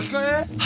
はい。